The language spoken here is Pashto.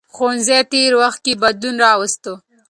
ښوونځي تېر وخت کې بدلون راوست.